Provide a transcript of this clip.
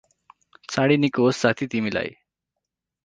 चाडैँ निको होस् साथी तिमीलाई ।